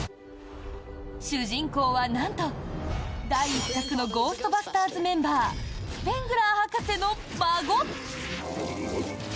主人公はなんと、第１作のゴーストバスターズメンバースペングラー博士の孫！